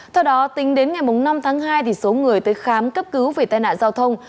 theo đó tính đến ngày năm tháng hai số người tới khám cấp cứu vì tai nạn giao thông